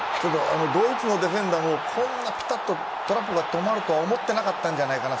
ドイツのディフェンダーもこんなピタッとトラップが止まるとは思っていなかったんじゃないかな。